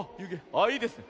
あっいいですね。